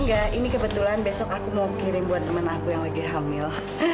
enggak ini kebetulan besok aku mau kirim buat temen aku yang lagi hamil